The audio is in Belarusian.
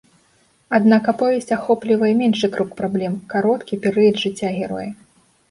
Аднак аповесць ахоплівае меншы круг праблем, кароткі перыяд жыцця героя.